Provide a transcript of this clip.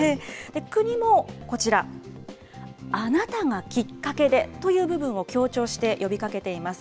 国も、こちら、あなたがきっかけでという部分を強調して呼びかけています。